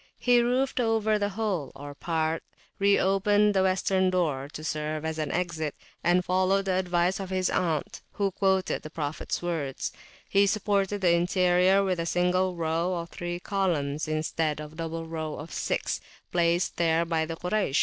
He roofed over the whole, or a part; re opened the western door, to serve as an exit; and, following the advice of his aunt, who quoted the Prophets words, he supported the interior with a single row of three columns, instead of the double row of six placed there by the Kuraysh.